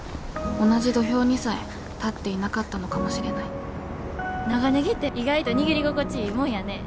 同じ土俵にさえ立っていなかったのかもしれない長ネギって意外と握り心地いいもんやね。